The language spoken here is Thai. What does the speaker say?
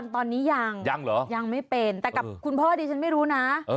ตอนนี้ยังยังเหรอยังไม่เป็นแต่กับคุณพ่อดิฉันไม่รู้นะ